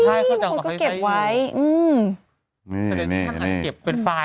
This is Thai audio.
ใช่บางคนก็เก็บไว้